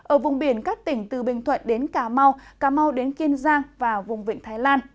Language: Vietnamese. ở vùng biển các tỉnh từ bình thuận đến cà mau cà mau đến kiên giang và vùng vịnh thái lan